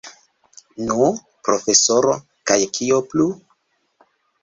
Nu, profesoro, kaj kio plu?